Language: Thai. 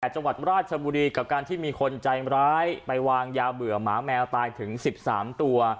จังหวัดราชบุรีกับการที่มีคนใจร้ายไปวางยาเบื่อหมาแมวตายถึง๑๓ตัว